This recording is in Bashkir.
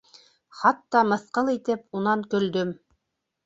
Хатта мыҫҡыл итеп, унан көлдөм.